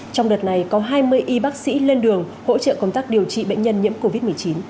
trong đợt này có hai mươi y bác sĩ lên đường hỗ trợ công tác điều trị bệnh nhân nhiễm covid một mươi chín